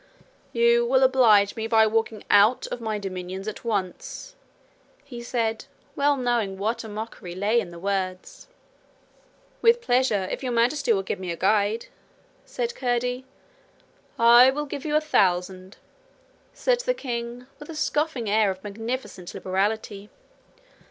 'You will oblige me by walking out of my dominions at once,' he said, well knowing what a mockery lay in the words. 'With pleasure, if Your Majesty will give me a guide,' said Curdie. 'I will give you a thousand,' said the king with a scoffing air of magnificent liberality.